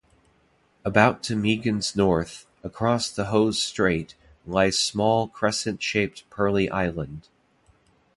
About to Meighen's north, across the Hose Strait, lies small crescent-shaped Perley Island.